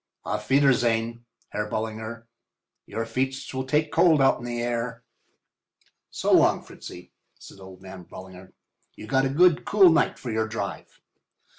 Auf wiedersehen, Herr Ballinger—your feets will take cold out in the night air." "So long, Fritzy," said old man Ballinger. "You got a nice cool night for your drive."